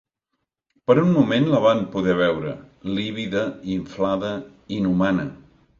Per un moment la van poder veure, lívida, inflada, inhumana.